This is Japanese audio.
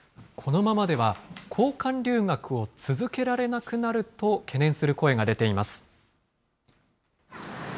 このままでは交換留学を続けられなくなると懸念する声が出ています。